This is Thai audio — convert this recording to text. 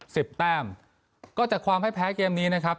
แต้มก็จากความให้แพ้เกมนี้นะครับ